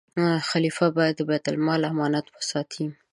خلیفه باید د بیت المال امانت وساتي.